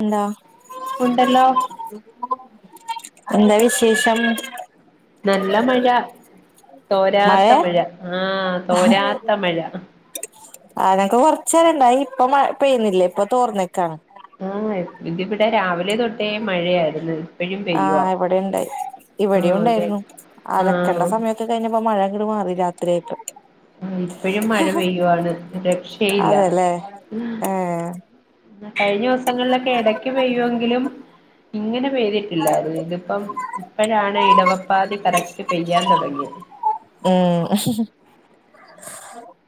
Hello ഉണ്ടല്ലോ [inaudible] എന്താ വിശേഷം നല്ല മഴ തോരാത്ത മഴ ആ തോരാത്ത മഴ ആ ഞങ്ങക്ക് കുറച്ച് നേരം ഇണ്ടായി ഇപ്പം പെയ്യുന്നില്ല ഇപ്പൊ തോർന്ന് നിൽക്കാ ആ ഇന്നിവിടെ രാവിലെ തൊട്ടേ മഴയായിരുന്നു ഇപ്പഴും ആ പെയ്യുവാ ഇവിടെണ്ടായി ഇവിടെ ആഹ് ഒരു ഉണ്ടായിരുന്നു അലക്കേണ്ട ആഹ് സമയത്ത് കഴിഞ്ഞപ്പോ മഴ അങ്ങട് മാറി രാത്രിയായിട്ട് ഇപ്പോഴും മഴ പെയ്യുവാണ് രക്ഷയില്ല അതെല്ലേ ഏഹ് കഴിഞ്ഞ ദിവസങ്ങളിലൊക്കെ ഇടക്ക് പെയ്യുമെങ്കിലും ഇങ്ങനെ പെയ്തിട്ടില്ലായിരുന്നു ഇതിപ്പം ഇപ്പഴാണ് ഇടവപ്പാതി കറക്റ്റ് പെയ്യാൻ തുടങ്ങിയത്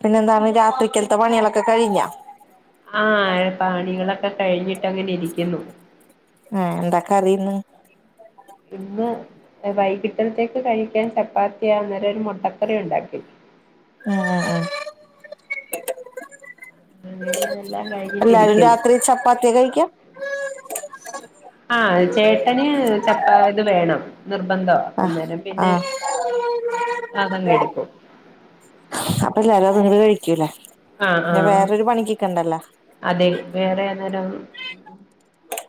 പിന്നെ എന്താണ് രാത്രിക്കത്തെ പണികളൊക്കെ കഴിഞ്ഞാ ആ പണികളൊക്കെ കഴിഞ്ഞിട്ട് അങ്ങനെ ഇരിക്കുന്നു ആ എന്താ കറിയിന്ന് വൈകിട്ടിൽത്തേക്ക് കഴിക്കാൻ ചപ്പാത്തിയാ അന്നേരം ഒരു മുട്ടക്കറി ഉണ്ടാക്കി ആ അങ്ങനെയാ എല്ലാരും രാത്രി ചപ്പാത്തിയാ കഴിക്ക ആ ചേട്ടന് ചപ്പ ഇത് വേണം നിർബന്ധവാ അ അന്നേരം ഹ് പിന്നെ ആഹ് അതങ്ങ് എടുക്കും [unintelligible] കഴിക്കൂലേ ആഹ് പിന്നെ ആഹ് വേറൊരു പണിക്ക്കെണ്ടല്ലോ അതെ വേറെ അന്നേരം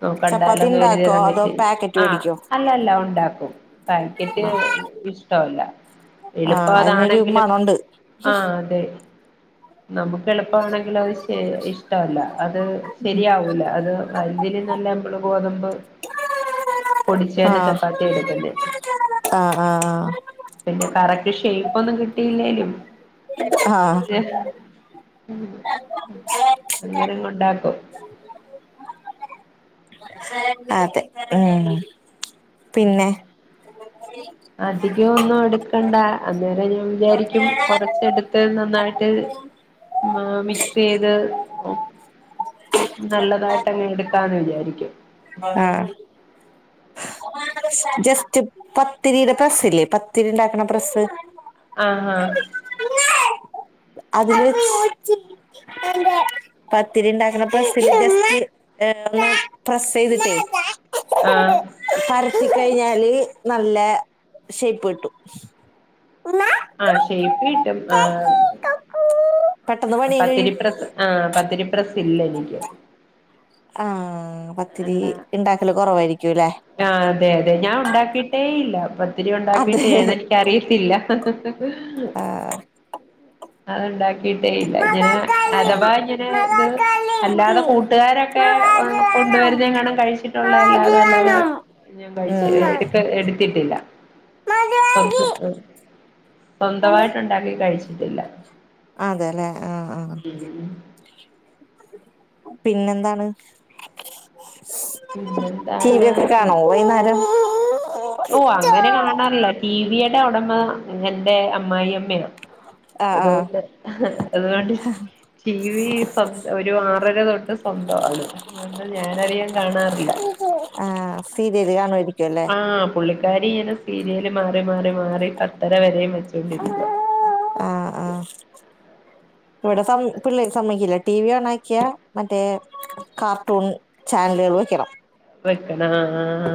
നോകണ്ടാല ചപ്പാത്തി ഒന്ന് ഇണ്ടാക്കോ [unintelligible] അതോ ചെയ്യും പാക്കറ്റ് ആ് മേടിക്കോ അല്ല അല്ല ഉണ്ടാക്കും പാക്കറ്റ് ഇഷ്ടല്ല എളുപ്പ ആഹ് അതിനൊരു അതാണെങ്കിലും മണണ്ട് ആ അതെ നമുക്ക് എളുപ്പമാണെങ്കിലും അത് ഷെ ഇഷ് ല അത് ഉം ശരിയാവൂല അത് [unintelligible] ദെമ്പ്ള് ബോധം പ്പൊ പൊടിചെന്നെ ആഹ് ചപ്പാത്തി എടുക്കുന്നെ ആഹ് പിന്നെ ആഹ് കറക്റ്റ് ഷെയ് ഇപ്പൊന്നും കിട്ടില്ലേലും ആഹ് ഏ ഉ അങ്ങനെ അങ്ങ് ഉണ്ടാക്കും അതെ ഏ പിന്നെ അധികം ഒന്നും എടുക്കണ്ട അന്നേരം ഞാൻ വിചാരിക്കും കുറച്ചെടുത്ത് നന്നായിട്ട് മ മിക്സ് ചെയ്ത് നല്ലതായിട്ട് അങ്ങനെ എടുക്കാന്ന് വിചാരിക്കും ആഹ് ജസ്റ്റ് പത്തിരിയുടെ പ്രസ്സില്ലേ പത്തിരി ഉണ്ടാക്കണ പ്രസ്സ് ആഹ് ആ അതില് സ് പത്തിരി ഉണ്ടാക്കണപ്രസ്സില് ജസ്റ്റ് പ്രെസ്സ് ചെയ്തിട്ടേ ആഹ് [unintelligible] കഴിഞ്ഞാല് നല്ല ഷേപ്പ്ട്ടും ആഹ് ഷേയ്പ്പിട്ടും ആഹ് പെട്ടെന്ന് പണിയും കഴിയും പത്തിരിപ്രസ് ആ പത്തിരി പ്രസ്സ് ഇല്ല എനിക്ക് ആഹ് അല്ല രാ അതെ അതെ ഞാൻ ഉണ്ടാക്കിട്ടേയില്ല ത്തിരി അതെ ഉണ്ടാക്കിയിട്ടേ എനിക്കറിയത്തില്ല ആ അത്ണ്ടാ ക്കിട്ടേ ഇല്ല ഇങ്ങനെ മകാകളി അഥവാ ഇങ്ങനെ ഇത് മകാകളി ഇത് അല്ലാതെ കൂട്ടുകാരൊക്കെ ഒ മവാജി വേണം കൊണ്ടരുന്നയെങ്ങാനും കഴിച്ചിട്ടുള്ളല്ലാത മവാജി അല്ലാതെ വേണം ഞാൻ കഴി എടു എന്നാണ് എടുത്തിട്ടില്ല മധുവാജി സ്വന്തയിട്ടെണ്ടാക്ക കഴിച്ചിട്ടില്ല അതെലെ ആഹ് ആഹ് പിന്നെന്താണ്? ടി വി പിന്നെന്താണ് ഒക്കെ കാണുവോ വൈന്നേരം? ഓ അങ്ങനെ കാണാറില്ല ടി വി എന്റെ ഉടമ എന്റെ അമ്മായിയുമ്മ ആഹ് ആഹ് അതൊണ്ട് അതുകൊണ്ട് ടി വി സ്വ ഒരു ആറര തൊട്ട് സ്വന്തമാണ് അതുകൊണ്ട് ഞാനധികം കാണാറില്ല ആഹ് സീരിയല് കാണുവായിരിക്കും അല്ലേ ആഹ പുള്ളിക്കാരി ഇങ്ങനെ സീരിയൽ മാറി മാറി മാറി പത്തര വരെ കണ്ടോണ്ടിരിക്ക ആഹ് ആഹ് ഇവിടെ സം പിള്ളേര് സമ്മക്കില്ല ടി വി ഓൺ ആക്കിയാ മറ്റേ കാർട്ടൂൺ ചാനലുകൾ വെക്കണം വെക്കണ ആ ആ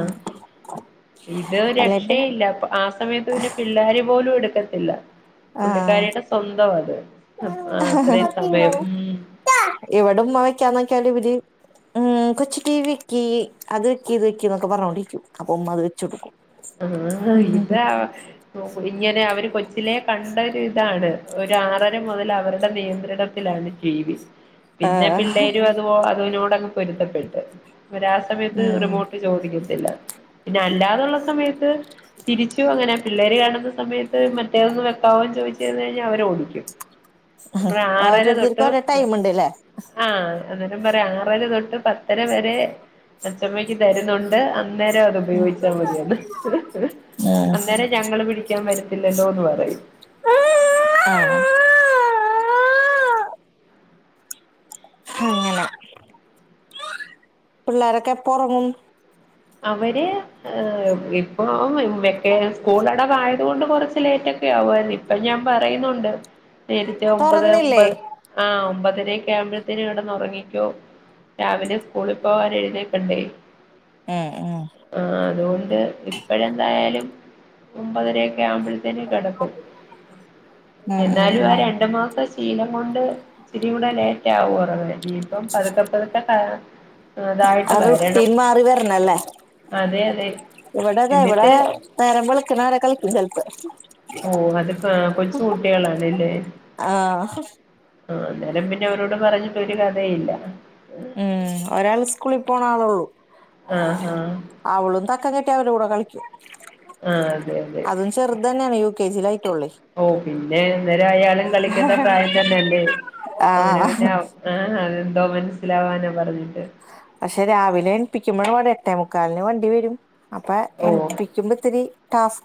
ഇത് അല്ലെ പിന്നെ രക്ഷയില്ല ആ സമയത്ത് പിന്നെ പിള്ളാര പോലും എടുക്കത്തില്ല ആഹ പുള്ളിക്കാരിയുടെ സ്വന്തം അത് അത്രയും സമയം ഉം ഇവിടെ ഉമ്മ വെക്കാൻ നോക്കിയാൽ ഇവര് ഉ കൊച്ചച്ച് ടി വി വെക്കി അത് വെക്കി ഇത് വെക്കി എന്നൊക്കെ പറഞ്ഞോണ്ടിരിക്കും അപ്പൊമ്മ അത് വെച് കൊടുക്കും ആ ഇത ഇങ്ങനെ അവര് കൊച്ചിലേ കണ്ട പണ്ടേ ഇതാണ് ഒരൂ ആറര മുതൽ അവരുടെ നിയന്ത്രണത്തിലാണ് ടി വി പിന്നെ ആഹ് പിള്ളേര അത് പോലെ ത്തങ് പൊരുത്തപ്പെട്ട് ഓര് ആ സമയത്ത് ഉം റിമോട്ട് ചോദിക്കും പിന്നെ അല്ലാതുള്ള സമയത്ത് തിരിച്ചു അങ്ങനെ പിള്ളേര് കാണുന്ന സമയത്ത് മറ്റേതന്ന് വെക്കാവോന്ന് ചോദിച്ചു കഴിഞ്ഞാൽ അവരോഓടിക്കും രോരുത്തർക്ക് ഒര തൊട്ട് ടൈം ഉണ്ട്ല്ലേ ആഹ് അന്നേരം പറയാം ആറര തൊട്ട് പത്തര വരെ അച്ചമ്മയ്ക്ക് തരുന്നുണ്ട് [unintelligible] അന്നേരം അത് ഉപയോഗിച്ചാ മതിയന്ന് ആഹ് അന്നേരം ഞങ്ങള് പിടിക്കാൻ പരത്തില്ലല്ലോന്ന് പറയും അങ്ങനെ പിള്ളോരൊക്കെ എപ്പ ഉറങ്ങും അവര് ഇപ്പൊക്ക സ്കൂൾടവായത കൊണ്ട് കുറച്ച് ലേറ്റ ഒക്കെ ആവുന്ന് ഇപ്പ ഞാൻ പറയുന്നുണ്ട് നേരിത്തെ ഒമ്പത് തുറന്നില്ലേ ഒമ്പത് ആഹ ഒമ്പത് ഏറ്റരായകുപ്പോ കടന്നുറങ്ങിക്കോ രാവിലെ സ്കൂളിൽ പോവൻ എഴുതേക്കണ്ടേ ഉം ഉം ആ അതുകൊണ്ട് ഇപ്പഴ എന്തായാലും ഒമ്പതര ട്ടാര ആമ്പത്തെ കിടക്കും ഉം ഉം എന്നാലും ആ ഉം രണ്ടു മാസ ശീലം അതുകൊണ്ട് ശിരി കൂടെ ലേറ്റ് ആകൂറങ്ങെ അഹ് ഇപ്പം പതുക്കെ പതുക്കെ ആ അതായിട്ട് വരണം റുട്ടീൻ മാറിയത് അറിഞ്ഞ ല്ലേ അതെ അതെ ഇവിടതാ ഇവടെ എന്നിട്ട് നേരം വെളുക്കുന്നത് വരെ കളിക്കും ചപ്പ [unintelligible] ഓ അതൊക്കെ കൊച്ചു കുട്ടികളാണല്ലേ ആഹ് ആ അന്നേരം പിന്നെ അവരോട് പറഞ്ഞിട്ടൊരു കഥയുല്ല ഉം ഒരാൾ സ്കൂൾ പോണാളേ ഉള്ളൂ ആഹ് ആഹ് അവളും തക്കം കിട്ടിയ അവരെ കൂടെ കളിക്കും ആ അതെ അതെ അതും ചെറ് തെന്നേണ് യൂട് കെ ജി ലായി ഓ പിന്നെ അന്നേരം അയാളും കളിക്കേണ്ട പ്രായം തന്നെല്ലേ അങ്ങനെ പിന്നെ ആഹ് ആ അതെ ന്തോ മനസ്സിലാവാനാ പറഞ്ഞ് പശ്ശേ രാവിലെ എണിപ്പിക്കുമ്പോ ഒര എട്ടേമു കാലിന് വണ്ടി വരും അപ്പ എണിപ്പിക്കുമ്പത്തിരി ടാസ്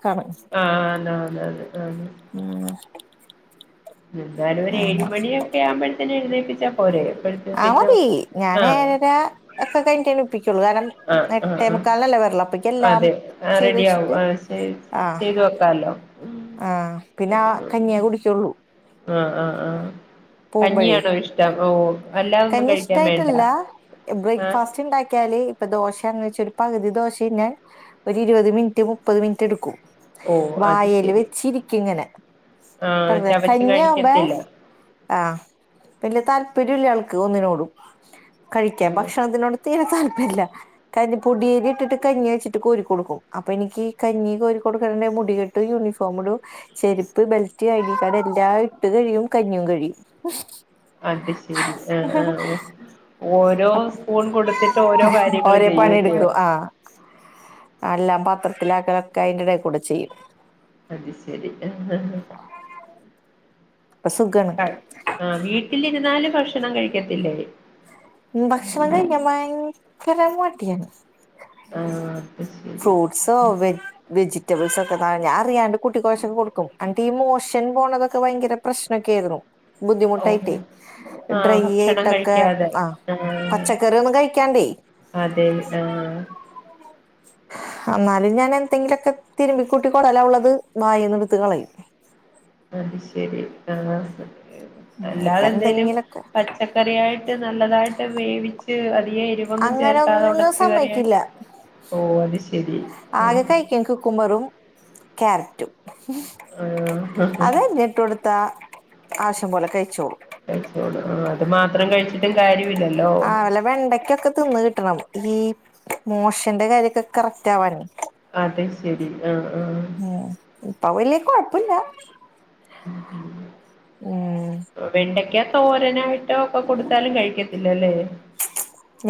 ആ അതതതെ ആതെ ഉം എന്തായാലും ഒരു ഏഴ് അങ്ങനെ മണിയൊക്കെ ആവുമ്പഴത്തിന് എഴുന്നേ പ്പിച്ചാ പോരേ ആ മതി ഞാൻ എഴരാ ഒക്കെ കയിഞ്ഞിട്ട് എണീ ആഹ് ആ ആ വരള്ളൂ അപ്പഴേക്കും എല്ലാം അതെ ആ ചെയ്ത് റെഡി ആവും വെച്ചിട്ട് അഅ് ചെയ്തു വെക്കാലോ ആഹ പിന്നെ ആ കഞ്ഞിയേ കുടിക്കുള്ളൂ ആഹ് ആഹ് ആഹ് പോകുമ്പഴേ കഞ്ഞിയാണോ ഇഷ്ടം ഓ അല്ലാതൊന്നും കഞ്ഞി കഴിക്കാൻ വേണ്ട ഇഷ്ടായിട്ടല്ല ആഹ് ബ്രേക്ക്ഫാസ്റ്റ് ഉണ്ടാക്കിയാല് ഇപ്പൊ ദോശ അ വെച്ച ഒരു പകുതി ദോശ കഞ്ഞാൽ ഒരു ഇരുപത് മിനിറ്റ് മുപ്പത് മിനിറ്റ് എടുക്കും ഓ അത് വായൽ ശരി വെച്ചിരിക്ക ഇങ്ങനെ ആഹ് ചവച്ച് കഞ്ഞിയകുമ്പ കഴിക്കത്തില്ല ആഹ വല്ല്യ താല്പര്യമില്ല ആൾക്ക് ഒന്നിനോടും കഴിക്കാൻ ഭക്ഷണം അതിനോട് തീരെ തൽ ല്ല കരിപൊടിയാരി ഇട്ടിട്ട് കഞ്ഞി വെച്ചിട്ട് കോരിടുക്കേടുക്കും അപ്പൊ എനിക്ക് കഞ്ഞി കെരിക്കേണ്ണേ മുടിക്കേട്ടും യുണിഫോം ഇടും ചെരുപ്പ് ബെൽറ്റ് ഐ ഡി കാർഡ് എല്ലാം ഇട്ട് കഴിയും കഞ്ഞിയും കഴിയും അത് ശരി ആഹ് ആഹ് ഓ ഓരോ ആഹ സ്പൂൺ കൊടുത്തിട്ട് ഓരോ [inaudible] കാര്യങ്ങൾ ഒരേ പണി ചെയ്യൂല്ലയോ എടുക്കും ആഹ അല്ലാം പ പത്രത്തിലാക്കലൊക്കെ അതിന്റെ ഇടയിൽ കൂടെ ചെയ്യും അത് ശെരി അപ്പൊ സുഖാണ് ആ വീട്ടില് ഇരുതിന്നാല് ഭക്ഷണം കഴിക്കത്തില്ലേ ഭക്ഷണം കഴിക്കാൻ ഭയങ്കര മടിയാണ് ആഹ് അത് ശരി ഫ്രൂട്ടസ് വെ വെജിറ്റബൾസ് ഞാൻ അറിയാണ്ട് കുട്ടി കൊയച്ചൊക്കെ കൊടുക്കും അൻക് ഈ മോഷൻ പോണതക്കെ ഭയര പ്രശ്നൊക്കെ ആയിരുന്നു ഓഹ് ബുദ്ധിമുട്ടായിട്ടേ ഡ്രൈയിട്ടൊക്കെ ആ അതെ ആഹ എന്നാലും ഞാൻ എന്തെങ്കിലൊക്കെ തിരുമ്പിക്കൂട്ടിക്കോടല ഉള്ളത് വായെന്ന് ടുത്ത് കളയും അ ശരി ആ ഇപ്പൊ അല്ലാതെ എന്തേലും എന്തെങ്കിലൊക്കെ പച്ചക്കറിയായിട്ട് നല്ലതായിട്ട് വേവിച്ച് ഉ അ [unintelligible] വല്യ എരുവൊന്നും അങ്ങനെ ചേർത്താതെ ഒന്നും ഉടച്ച് കറിയ സമ്മയ്ക്കില്ല ഓ അത് ശെരി ആകെ കഴിക്കും കുക്കുമ്പറും ക്യാരറ്റും. അത് തന്നെയിട്ട് കൊടുത്താ ആവശ്യം പോലെ കഴിച്ചോ. [unintelligible] കഴിച്ചിട്ടും കാര്യമില്ലല്ലോ ആ വെല്ല വെണ്ടക്കൊക്കെ തിന്ന് കിട്ടണം ഈ മോശന്റെ കാര്യക്കെ കറക്റ്റ് ആവാന്. അത് ശരി. ആഹ് ആഹ് ഉം [unintelligible] പില്ല. വെണ്ടയ്ക്ക തോരനായി.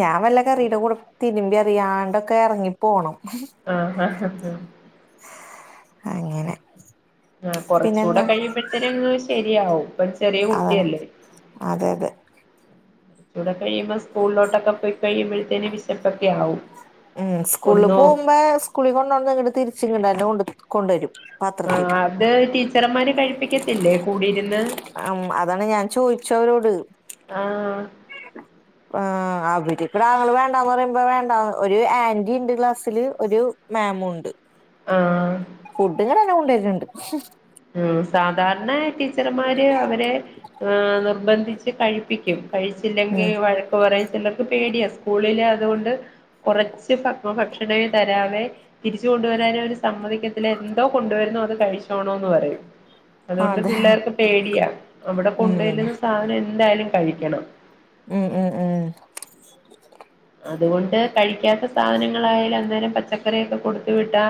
ഞാൻ വല്ല കറിയുടെ കൂടെ തിരുമ്പിയാ റിയാണ്ടൊക്കെ എർങ്ങിപ്പോണം. ആ ആഹ് അങ്ങനെ ആ കൊറച്ചുകൂടെ പിന്നെന്താ കഴിയുമ്പോഴത്തേന് ശരി യാവും. ഇപ്പം ചെറിയ കുട്ടി അതന്നെ അല്ലേ. അതെ അതെ തുടെ കഴിയുമ്പോ സ്കൂളിലോട്ടൊക്കെ പോയ് ഉം സ്കൂൾല് ഒന്നു പോകുമ്പേ സ്കൂളിൽ കൊണ്ടോണത്ങ്ങട്ട് തിരിച് കൊണ്ട് കൊണ്ടരും ആഹ അത് ടീച്ചർമാര് കഴിപ്പിക്കത്തില്ലേ കൂടിയിരുന്ന് അതാണ് ഞാൻ ചോദിച്ചു അവരോട് ആഹ ആ അവര് കിടാങ്കൾ വേണ്ടാന്ന് പറയുമ്പോ വേണ്ട ഒരു ആന്റിണ്ട് ക്ലാസ്സില് ഒരു മേമുണ്ട് ആഹ കുണ്ടര്ന്ണ്ട് സാധാരണ ടീച്ചർമാര് അവരെ ഏഹ് നിർബന്ധിച്ച് കഴിപ്പിക്കും കഴിച്ചില്ലെങ്കി ഉം വഴക്ക്‌ പറിം നമ്മക്ക് പേടിയാ സ്കൂളില് അതുകൊണ്ട് കൊറച്ച് ഭ ഭക്ഷണെ തരാവേ തിരിച്ച് കൊണ്ടുവരാനവര് സമ്മതിക്കത്തില്ല എന്തോ കൊണ്ടുവരുന്നോ അത് കഴിച്ചോണോ പറയും അതുകൊണ്ട് അതെ പിള്ളേർക്ക് പേടിയാ അവിടെ ഉം കൊണ്ടുല്ലുന്ന സാധനം എന്തായാലും കഴിക്കണം ഉം ഉം ഉം അതുകൊണ്ട് കഴിക്കാത്ത സാധനങ്ങളായാലൽ അന്നേരം പച്ചക്കറിയൊക്കെ കൊടുത്ത വിട്ടാ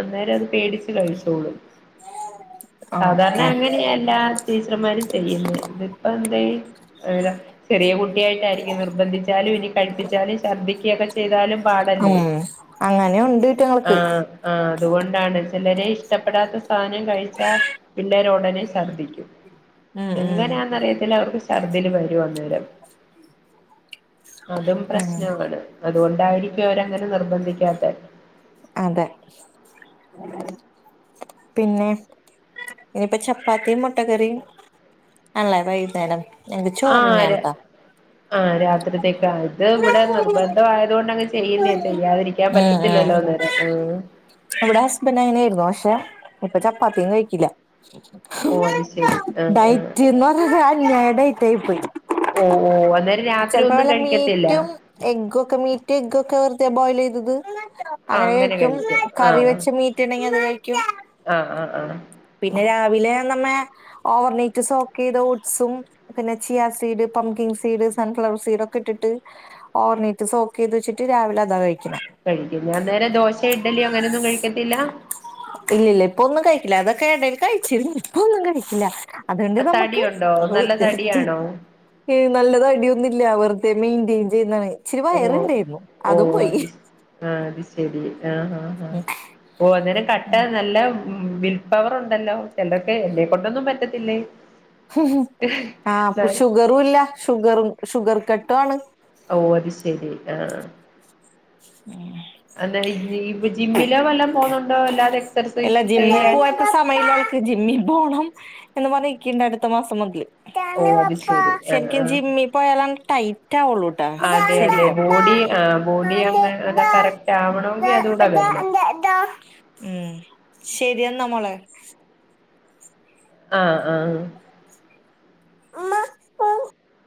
അന്നേരം അത് പേടിച്ച് കഴിച്ചോളും സാധാരണ ഓക്കെ അങ്ങനെയാ എല്ലാ ടീച്ചർമാരും ചെയ്യുന്ന ഇതിപ്പം അ ചെറിയ കുട്ടി യായിട്ടായിരിക്കും നിർബന്ധിച്ചാലും ഇനി കഴിപ്പി [unintelligible] ശർദിക്കൊക്കെ ചെയ്താലും പാടല്ലേ ഉം അങ്ങനെയുണ്ട് ആ ഇറ്റങ്ങൾക്ക് ആ അതുകൊണ്ടാണ് ചിലരെ ഇഷ്ടപ്പെടാത്ത സാധനം കഴിച്ചാൽ പിള്ളേരൊടനെ ഛർദ്ദി ഉം ഉം എങ്ങനാന്നറിയത്തില്ല അവർക്ക് ഛർദില് വരും അന്നേരം അതും പ്രശ ഉം [unintelligible] അതുകൊണ്ടായിരിക്കും അവരങ്ങനെ നിർബന്ധിക്കാത്ത അതെ പിന്നെ ഇനിയിപ്പ ചപ്പാത്തിയും മുട്ടകറിയും അല്ലേ വൈകുന്നേരം ഞങ്ങക്ക് ആ ചോറന്നെയാണ്‌ട്ടോ ആ രാത്രിത്തേക്ക് ആയി ഇത് ഇവിടെ നിർബന്ധമായതുകൊണ്ട് അങ്ങനെ ഉം ഉം അന്നേരം ആഹ് അവിടെ ഹസ്ബൻറ് അങ്ങനെയിരുന്നു പക്ഷെ ഇപ്പൊ ചപ്പാത്തിയും കഴിക്കില്ല ഓ അത് ശരി ആഹ് ആഹ് ഡയറ്റ് എന്ന് പറഞ്ഞാ ഞങ്ങടേ തേയ്പ്പ് ഓ ഓ അ ചിലപ്പോ വല്ല മീറ്റും എഗ്ഗും ഒക്കെ മീറ്റും എഗ്ഗൊക്കെ വെറുതെ ബോയിൽ ചെയ്ത് ഇത് അങ്ങനെ കഴിക്കും കറി വെച്ച് മീറ്റ് ഉണ്ടെങ്കി അത് കഴിക്കും ആഹ് ആഹ് ആഹ് പിന്നെ രാവിലെ നമ്മ ഓവർനൈറ്റ് സോക്ക് ചെയ്ത് ഓട്്സും പിന്നെ chia seed pumpkin seed sunflower seed ഒക്കെ ഇട്ട് ഓണിറ്റ്് സോക്ക ചെയ്ത് വച്ചിട്ട് രാവിലെ അതാ കഴിക്കും കഴിക്കും ഞാൻ നേര ദോശ ഇഡ്ഡലി അങ്ങനെൊന്നും കഴിക്കത്തില്ല കേടയിൽ കഴിച്ചിരുന്നു ഇപ്പൊന്നും കഴിക്കില്ല അതുകൊണ്ട് നമുക്ക് തടിയുണ്ടോ നല്ല തടിയാണോ ഇി നല്ലത അടി വെുെ മെയിെയിൻ ചെയ്യ ഓ ഓ അത് ആഹ അത് ശരി ആഹ ആഹ ആ ഓ അന്നെ കട്ടാ നല്ല ഉ വിൽ പവർ ഉണ്ടല്ലോ ചിലർക്കെ എന്റെെ കൊൊണ്ടൊന്നും പറ്റത്തില്ലേ ആഹ് ഷുഗറും ഇല്ല ഷുഗറും ഷുഗർ കട്ട് ഇിട്ടാണ് ഓ അത് ശെരി ആഹ ഉ അത ജമ ല്ലാം പോകുന്നുണ്ടോ അല്ലാെ എല്ലാ ജിമ്മ പോയപ്പോ സമയല്ലക്ക് ജിമ്മിൽ പോണം എന്ന് പറഞ്ഞിക്കണ്ടണ്ട് അടുത്ത മാസം മുതല് ഓ അത് പ്പ ശരി ആഹ് ശരിക്കും ആഹ് ജിമ്മിപ്പോയല്ലാം ടൈറ്റ ആള്ളൂട്ടാ അതെ അതെ ബോഡി ആഹ് ബോഡി അങ്ങ് അത് കറക്റ്റ് ആവണമെങ്കിൽ ശം അതൂടെ വേണം ഉ ശരിയ നമ്മളെ ആഹ ആഹഹ ഉമ്മ